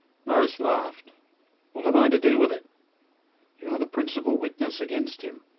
Maurice laughed. "What have I to do with it?" "You are the principal witness against him.